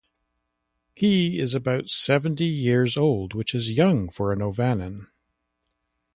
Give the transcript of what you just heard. He is about seventy years old, which is young for an Ovanan.